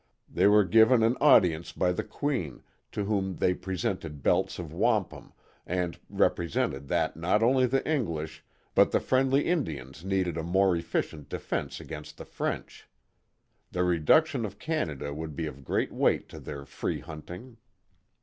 They were given an audience by the queen, to whom they presented belts of wampum, and represented that not only the English, but the friendly Indians needed a more efficient defence against the French. The reduction of Canada would be of great weight to their free hunting.